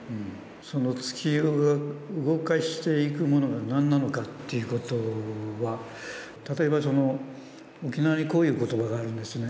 その突き動かしていくものが何なのかということは、例えば、沖縄にこういう言葉があるんですね。